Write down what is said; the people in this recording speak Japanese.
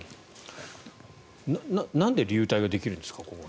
なんでここに流体ができるんですか？